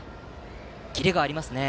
キレがありますね。